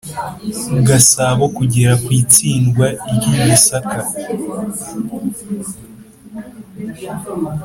gasabo kugera ku itsindwa ry'i gisaka.